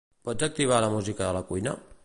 Pots activar la música a la cuina?